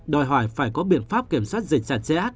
đòi hỏi phải có biện pháp kiểm soát dịch sạch sẽ át